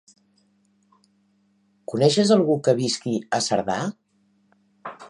Coneixes algú que visqui a Cerdà?